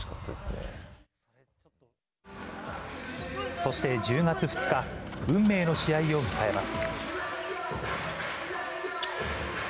そして１０月２日、運命の試合を迎えます。